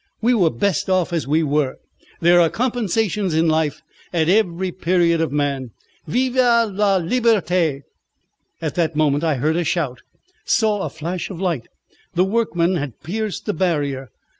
We were best off as we were. There are compensations in life at every period of man. Vive la liberté!" At that moment I heard a shout saw a flash of light. The workmen had pierced the barrier.